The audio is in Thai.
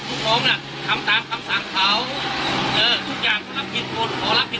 ทุกคนน่ะทำตามกลับสั่งเผาเออทุกอย่างเขาอรักผิดที่ใคร